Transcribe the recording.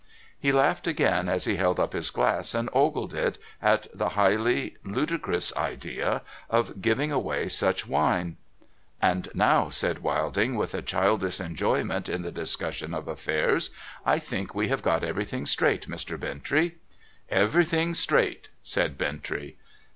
He laughed again, as he held up his glass and ogled it, at the highly ludicrous idea of giving away such wine. 'And now,' said Wilding, with a childish enjoyment in the discussion of affairs, ' I think we have got everything straight, Mr, Bintrey.' ' Everything straight,' said Bintrey.